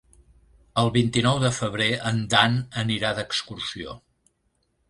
El vint-i-nou de febrer en Dan anirà d'excursió.